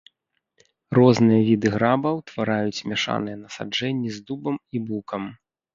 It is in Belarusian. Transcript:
Розныя віды граба утвараюць мяшаныя насаджэнні з дубам і букам.